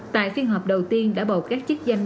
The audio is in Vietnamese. tại phiên họp đầu tiên đã bầu các chức danh